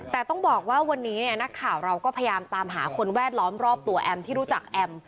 แต่ต้องบอกว่าวันนี้เนี่ยนักข่าวเราก็พยายามตามหาคนแวดล้อมรอบตัวแอมที่รู้จักแอม